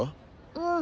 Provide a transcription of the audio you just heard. うん。